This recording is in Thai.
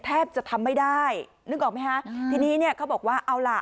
แทบจะทำไม่ได้นึกออกไหมฮะทีนี้เนี่ยเขาบอกว่าเอาล่ะ